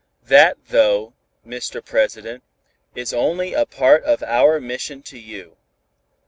"That, though, Mr. President, is only a part of our mission to you.